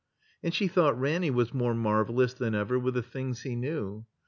And she thought Ranny was more marvelous than ever, with the things he knew.